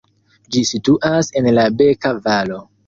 Ĝi situas en la Beka-valo.